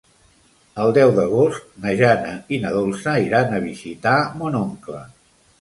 El deu d'agost na Jana i na Dolça iran a visitar mon oncle.